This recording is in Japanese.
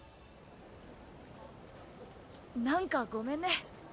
なんかごめんね。